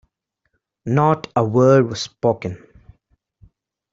Not a word was spoken.